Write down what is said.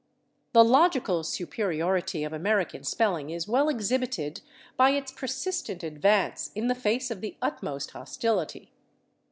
The logical superiority of American spelling is well exhibited by its persistent advance in the face of the utmost hostility.